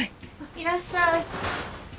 いらっしゃい。